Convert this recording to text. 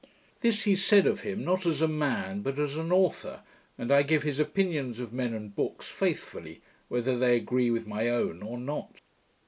This he said of him, not as a man, but as an authour; and I give his opinions of men and books, faithfully, whether they agree with my own, or not.